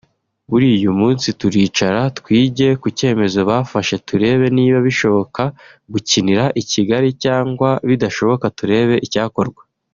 Buriya uyu munsi turicara twige ku cyemezo bafashe turebe niba bishoboka gukinira i Kigali cyangwa bidashoboka turebe icyakorwa